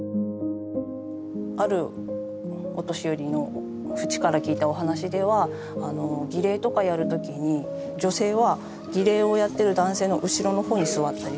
あるお年寄りのフチから聞いたお話では儀礼とかやる時に女性は儀礼をやってる男性の後ろの方に座ったりするんですよね。